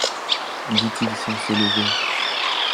dit-il sans se lever.